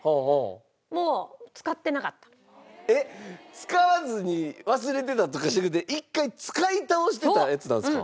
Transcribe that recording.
使わずに忘れてたとかじゃなくて一回使い倒してたやつなんですか？